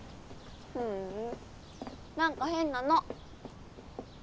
ふん何か変なの。